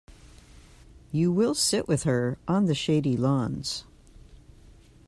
You will sit with her on the shady lawns.